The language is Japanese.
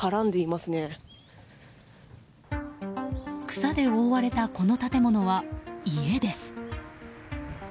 草で覆われたこの建物は家です。